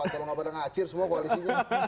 kalau gak pada ngacir semua koalisinya